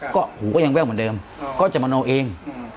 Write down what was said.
ก็หูก็ยังแว่วเหมือนเดิมก็จะมโนเอง